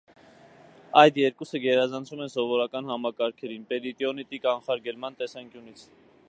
Այդ երկուսը գերազանցում են սովորական համակարգերին պերիտոնիտի կամխարգելման տեսանկյունից։